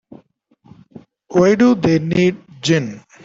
Why do they need gin?